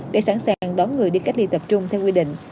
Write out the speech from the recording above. để sẵn sàng đón người đi cách ly tập trung theo quy định